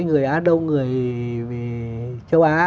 người á đông người châu á